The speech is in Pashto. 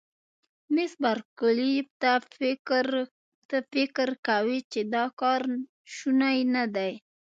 مس بارکلي: ته فکر کوې چې دا کار شونی نه دی؟